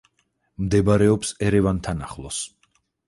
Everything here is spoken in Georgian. მდებარეობს ერევანთან ახლოს.